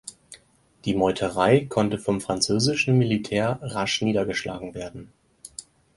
Die Meuterei konnte vom französischen Militär rasch niedergeschlagen werden.